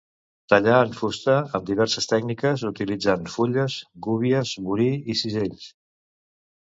Tallà en fusta amb diverses tècniques, utilitzant fulles, gúbies, burí i cisells.